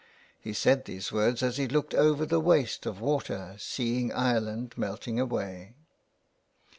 He said these words as he looked over the waste of water seeing Ireland melting away.